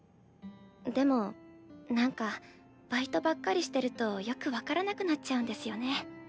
でもなんかバイトばっかりしてるとよく分からなくなっちゃうんですよね。